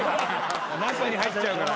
中に入っちゃうから。